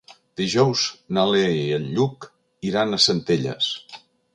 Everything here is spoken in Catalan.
Dijous na Lea i en Lluc iran a Centelles.